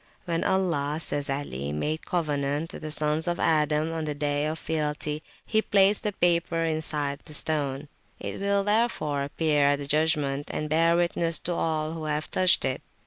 When Allah, says Ali, made covenant with the Sons of Adam on the Day of Fealty, he placed the paper inside the stone; it will, therefore, appear at the judgment, and bear witness to all who have touched it.